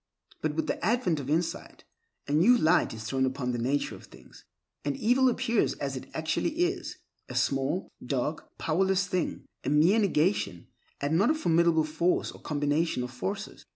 But with the advent of insight, a new light is thrown upon the nature of things, and evil appears as it actually is—a small, dark, powerless thing, a mere negation, and not a formidable force or combination of forces.